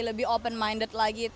lebih open minded lagi